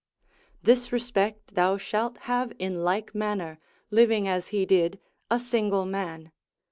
This respect thou shalt have in like manner, living as he did, a single man.